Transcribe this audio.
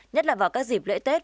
nhất là vào các dịp lễ tết